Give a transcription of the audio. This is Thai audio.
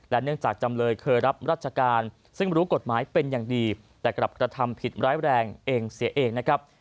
เนื่องจากจำเลยเคยรับราชการซึ่งรู้กฎหมายเป็นอย่างดีแต่กลับกระทำผิดร้ายแรงเองเสียเองนะครับ